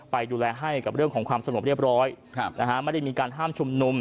ไปดูแลให้กับเรื่องของความสงบเรียบร้อยไม่ได้มีการห้ามชุมนุม